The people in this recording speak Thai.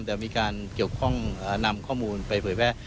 แต่มีการเกี่ยวข้องนำข้อมูลไปเผยแพร่